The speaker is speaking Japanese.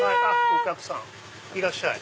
お客さんいらっしゃい。